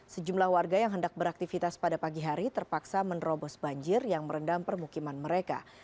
sejumlah warga yang hendak beraktivitas pada pagi hari terpaksa menerobos banjir yang merendam permukiman mereka